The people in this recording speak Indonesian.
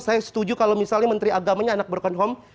saya setuju kalau misalnya menteri agamanya anak broken home